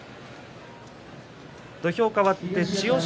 土俵かわって千代翔